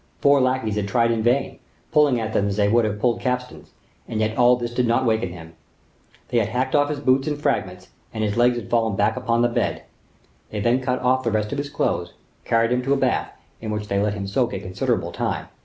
Four lackeys had tried in vain, pulling at them as they would have pulled capstans; and yet all this did not awaken him. They had hacked off his boots in fragments, and his legs had fallen back upon the bed. They then cut off the rest of his clothes, carried him to a bath, in which they let him soak a considerable time.